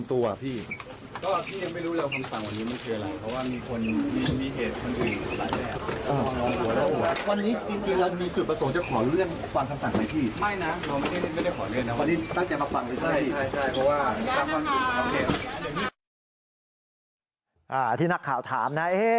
อ่าที่นักข่าวถามนะครับ